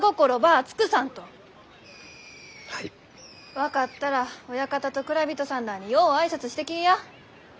分かったら親方と蔵人さんらあによう挨拶してきいや。